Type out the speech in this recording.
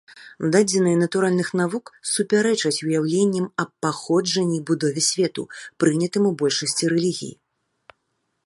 Дадзеныя натуральных навук супярэчаць уяўленням аб паходжанні і будове свету, прынятым у большасці рэлігій.